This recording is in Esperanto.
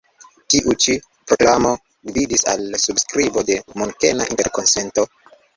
Tiu ĉi prklamo gvidis al subskribo de Munkena interkonsento.